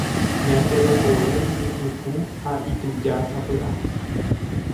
Ñande rekove iñipytũ ha itujásapyʼa.